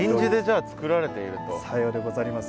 さようでござります。